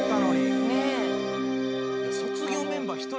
卒業メンバー１人